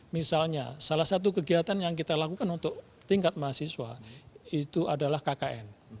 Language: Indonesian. misalnya salah satu kegiatan yang kita lakukan untuk tingkat mahasiswa itu adalah kkn